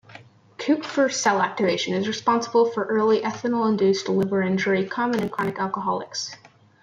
Kupffer cell activation is responsible for early ethanol-induced liver injury, common in chronic alcoholics.